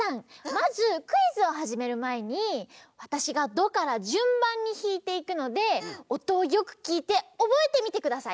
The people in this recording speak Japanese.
まずクイズをはじめるまえにわたしがドからじゅんばんにひいていくのでおとをよくきいておぼえてみてください。